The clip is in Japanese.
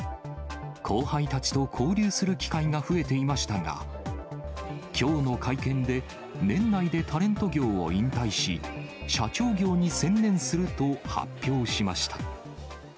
後輩たちと交流する機会が増えていましたが、きょうの会見で、年内でタレント業を引退し、社長業に専念すると発表しました。